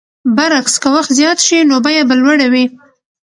برعکس که وخت زیات شي نو بیه به لوړه وي.